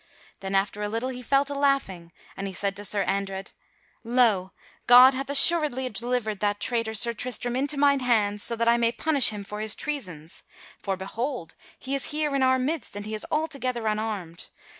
Then after a little he fell to laughing and he said to Sir Andred: "Lo! God hath assuredly delivered that traitor, Sir Tristram, into mine hands so that I may punish him for his treasons. For, behold! he is here in our midst and he is altogether unarmed.